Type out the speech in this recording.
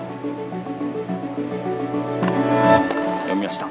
読みました。